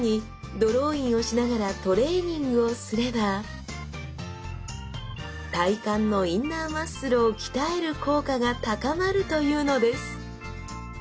ドローインをしながらトレーニングをすれば体幹のインナーマッスルを鍛える効果が高まるというのです！